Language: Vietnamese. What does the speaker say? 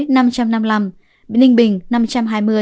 ninh bình năm trăm hai mươi